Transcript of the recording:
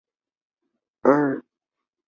盾的其余部分分为四个象限。